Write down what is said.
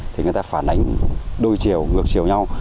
thì người ta phản ánh đôi chiều ngược chiều nhau